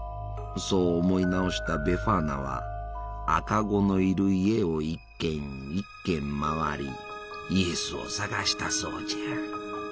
そう思い直したベファーナは赤子のいる家を一軒一軒回りイエスを捜したそうじゃ。